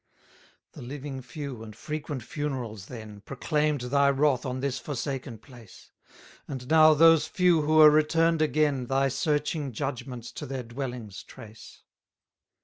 268 The living few, and frequent funerals then, Proclaim'd thy wrath on this forsaken place; And now those few who are return'd again, Thy searching judgments to their dwellings trace.